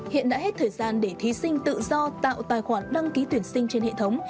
hiện đã hết thời gian để thí sinh tự do tạo tài khoản đăng ký tuyển sinh trên hệ thống